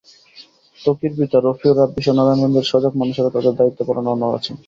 ত্বকীর পিতা রফিউর রাব্বিসহ নারায়ণগঞ্জের সজাগ মানুষেরা তাঁদের দায়িত্ব পালনে অনড় আছেন।